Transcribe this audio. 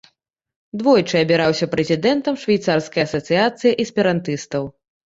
Двойчы абіраўся прэзідэнтам швейцарскай асацыяцыі эсперантыстаў.